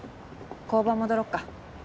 交番戻ろっか。